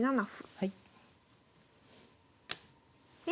はい。